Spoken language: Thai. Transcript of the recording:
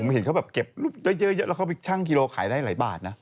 เห็นเขาแบบเก็บรูปเยอะแล้วเขาไปชั่งกิโลขายได้หลายบาทนะ